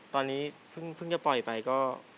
ตอนนี้เพิ่งจะปล่อยไปก็